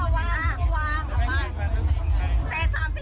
หนูยืนไปหมดแล้ว๗๐บาท